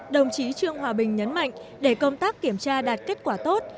đồng chí trương hòa bình nhấn mạnh để công tác kiểm tra đạt kết quả tốt